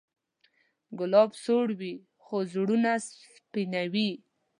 ګلاب سور وي، خو زړونه سپینوي.